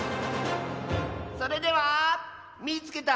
それでは「みいつけた！